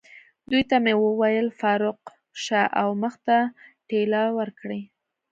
دوی ته مې وویل: فاروق، شا او مخ ته ټېله ورکړئ.